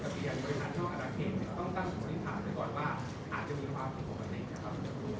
เนี่ยต้องตั้งสมมุติฐานด้วยก่อนว่าอาจจะมีความผิดความอันหนึ่งค่ะครับ